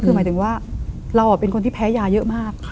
คือหมายถึงว่าเราเป็นคนที่แพ้ยาเยอะมาก